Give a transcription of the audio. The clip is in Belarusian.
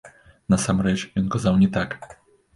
Насамрэч, ён казаў не так.